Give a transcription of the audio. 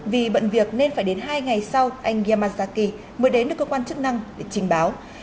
vì bận việc nên phải đến hai ngày sau anh yamazaki mới đến được cơ quan chức năng để trình báo